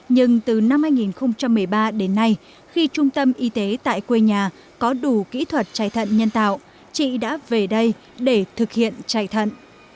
nhưng từ năm hai nghìn một mươi ba đến nay khi trung tâm y tế tại quê nhà có đủ kỹ thuật chạy thận nhân tạo chị đã về đây để thực hiện chạy thận